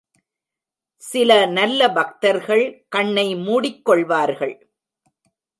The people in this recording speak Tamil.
சில நல்ல பக்தர்கள் கண்ணை மூடிக் கொள்வார்கள்.